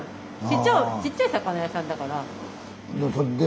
ちっちゃい魚屋さんだから。